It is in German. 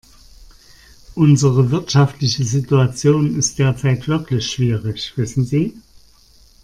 Unsere wirtschaftliche Situation ist derzeit wirklich schwierig, wissen Sie.